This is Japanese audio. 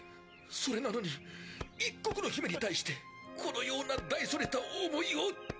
それなのに一国の姫に対してこのような大それた思いを。